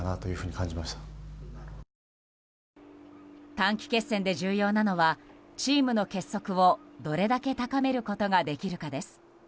短期決戦で重要なのはチームの結束を、どれだけ高めることができるかです。